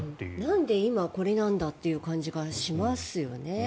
なんで今これなんだという感じがしますよね。